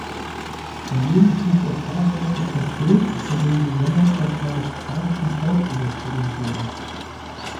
Daneben schuf er zahlreiche Porträts, von denen besonders das eines "Tragischen Schauspielers" gerühmt wurde.